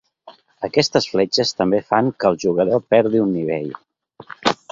Aquestes fletxes també fan que el jugador perdi un nivell.